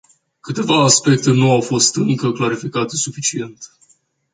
Câteva aspecte nu au fost încă clarificate suficient.